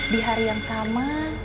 di hari yang sama